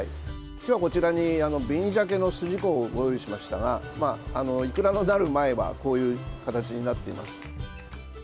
今日はこちらに紅ジャケの筋子をご用意しましたがいくらになる前はこういう形になっています。